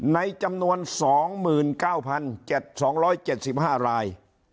ในจำนวน๒๙๗๒๗๕ราย